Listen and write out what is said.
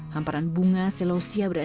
hamparan bunga selosia berendah